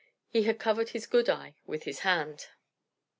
He had covered his good eye with his hand.